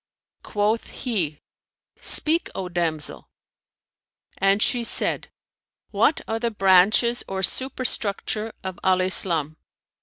Quoth he, "Speak, O damsel;" and she said, "What are the branches or superstructure of Al Islam?"